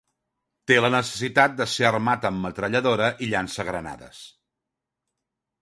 Té la necessitat de ser armat amb metralladora i llançagranades.